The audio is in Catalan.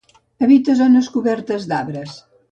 Habita zones cobertes d'arbres.